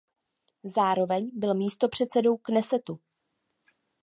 Zároveň byl místopředsedou Knesetu.